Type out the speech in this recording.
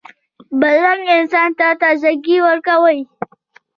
بادرنګ انسان ته تازهګۍ ورکوي.